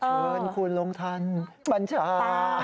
ชืนคุณรงฆัณฑ์บรรชา